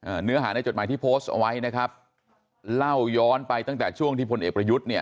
เนื้อหาในจดหมายที่โพสต์เอาไว้นะครับเล่าย้อนไปตั้งแต่ช่วงที่พลเอกประยุทธ์เนี่ย